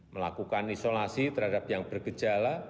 melakukan isolasi terhadap yang bergejala